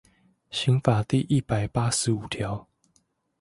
刑法第一百八十五條